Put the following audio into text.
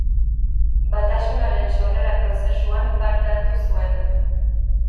Batasunaren sorrera prozesuan parte hartu zuen.